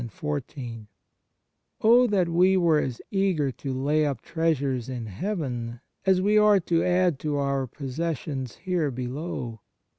13, 14. 28 ON THE NATURE OF GRACE" as eager to lay up treasures in heaven as we are to add to our possessions here below